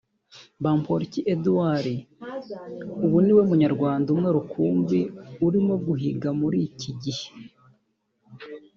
Bampiriki Eduard ubu niwe munyarwanda umwe rukumbi urimo kuhiga muri iki gihe